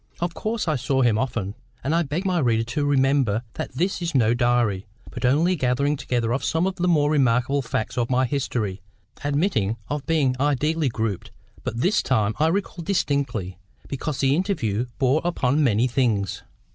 Of course I saw him often—and I beg my reader to remember that this is no diary, but only a gathering together of some of the more remarkable facts of my history, admitting of being ideally grouped—but this time I recall distinctly because the interview bore upon many things.